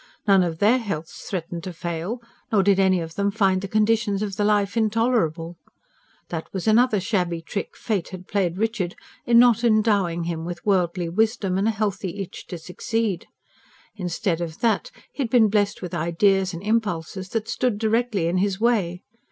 None of THEIR healths threatened to fail, nor did any of them find the conditions of the life intolerable. That was another shabby trick Fate had played Richard in not endowing him with worldly wisdom, and a healthy itch to succeed. Instead of that, he had been blessed with ideas and impulses that stood directly in his way.